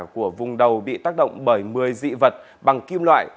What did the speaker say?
của vùng đầu bị tác động bởi một mươi dị vật bằng kim loại